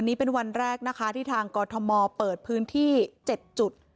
นี่เป็นวันแรกนะคะที่ทางกรทมเปิดพื้นที่๗จุด